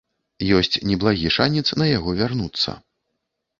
Ёсць неблагі шанец на яго вярнуцца.